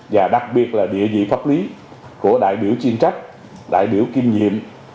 và đặc biệt là địa dị pháp lý của đại biểu chuyên trách đại biểu kim nhiệm